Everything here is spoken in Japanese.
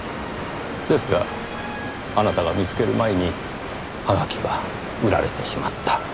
ですがあなたが見つける前にはがきは売られてしまった。